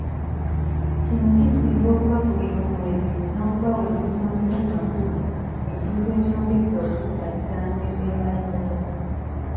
Kino kisinga okubagulira omwenge n'okubawa ebintu omutali makulu, ekintu ekyongedde okuttattana embeera zaabwe.